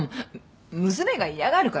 娘が嫌がるから。